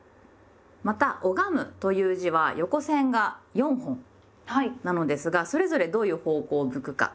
また「拝む」という字は横線が４本なのですがそれぞれどういう方向を向くか？ということで実際に書きます。